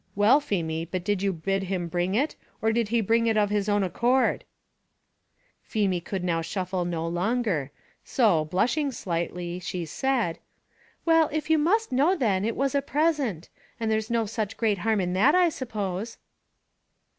"Well, Feemy, but did you bid him bring it, or did he bring it of his own accord?" Feemy could now shuffle no longer, so blushing slightly, she said, "Well, if you must know then, it was a present; and there's no such great harm in that, I suppose."